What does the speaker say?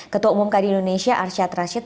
ketua umum kd indonesia arsyad rashid